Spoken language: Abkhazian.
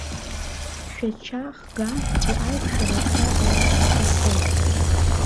Шәача х-ганктәи аиқәшәара иахьа иҟалашашәа рҳәоит.